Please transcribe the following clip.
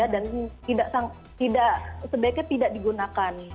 dan sebaiknya tidak digunakan